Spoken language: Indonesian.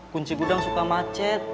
kunci gudang suka macet